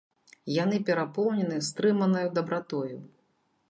Яны перапоўнены стрыманаю дабратою.